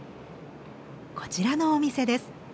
こちらのお店です。